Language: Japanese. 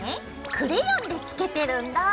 クレヨンでつけてるんだ。